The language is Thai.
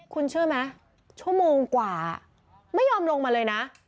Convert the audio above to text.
คุณเชื่อไหมชั่วโมงกว่าไม่ยอมลงมาเลยนะ